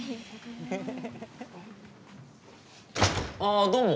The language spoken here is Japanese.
あどうも。